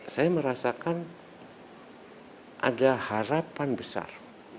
saya merasakan ada harapan besar